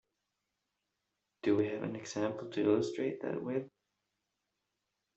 Do we have an example to illustrate that with?